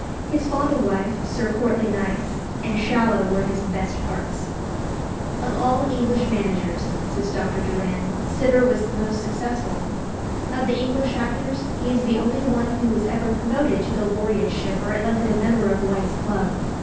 His Fondlewife, Sir Courtly Nice, and Shallow were his best parts. "Of all English managers," says Dr. Doran, "Cibber was the most successful. Of the English actors, he is the only one who was ever promoted to the laureateship or elected a member of White's Club."